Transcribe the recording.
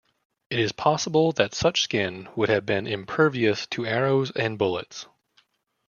It is possible that such skin would have been impervious to arrows and bullets.